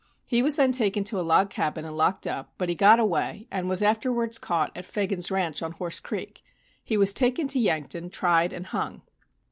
He was then taken to a log cabin and locked up, but he got away and was afterwards caught at Fagan's ranch on Horse Creek. He was taken to Yankton, tried and hung."